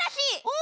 お！